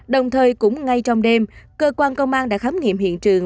đồng thời cũng ngay trong đêm cơ quan công an đã khám nghiệm hiện trường